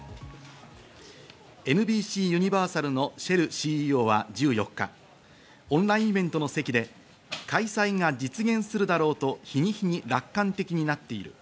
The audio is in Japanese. ＮＢＣユニバーサルのシェルＣＥＯは１４日、オンラインベントの席で開催が実現するだろうと日に日に楽観的になっている。